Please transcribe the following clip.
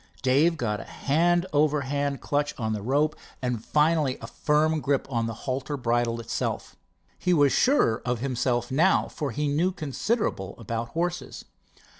Dave got a hand over hand clutch on the rope and finally a firm grip on the halter bridle itself. He was surer of himself now, for he knew considerable about horses.